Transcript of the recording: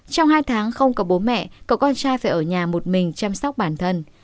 trong hai tháng không có bố mẹ cậu con trai phải ở nhà một mình chăm sóc bản thân